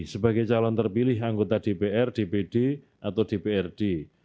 sebagai calon terpilih anggota dpr dpd atau dprd